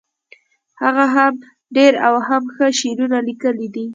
هغه هم ډیر او هم ښه شعرونه لیکلي دي